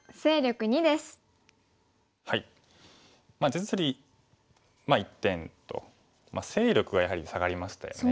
実利１点と勢力がやはり下がりましたよね